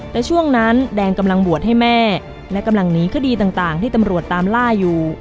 และช่วงนั้นแดงกำลังบวชให้แม่และกำลังหนีคดีต่างที่ตำรวจตามล่าอยู่